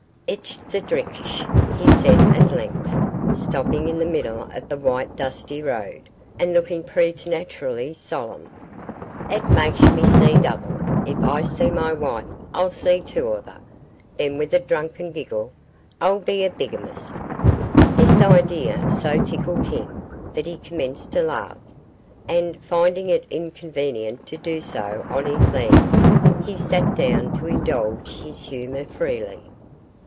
'Itsh the drinksh,' he said at length, stopping in the middle of the white dusty road, and looking preternaturally solemn; 'it maksh me see double: if I see my wife, I'll see two of her, then' with a drunken giggle 'I'll be a bigamist.' This idea so tickled him, that he commenced to laugh, and, finding it inconvenient to do so on his legs, he sat down to indulge his humour freely.